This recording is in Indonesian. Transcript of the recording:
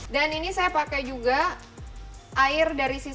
dan ini saya pakai juga air dari sisa rebuk